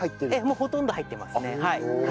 もうほとんど入っていますね。